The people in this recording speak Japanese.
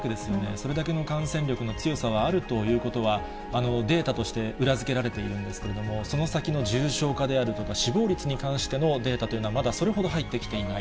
それだけの感染力の強さはあるということは、データとして裏付けられているんですけれども、その先の重症化であるとか、死亡率に関してのデータというのはまだそれほど入ってきていない。